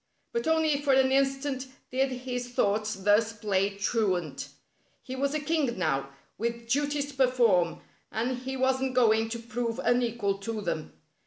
But only for an instant did his thoughts thus play truant. He was a king now, with duties to perform, and he wasn't going to prove unequal to them.